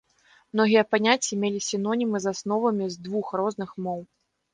Многія паняцці мелі сінонімы з асновамі з двух розных моў.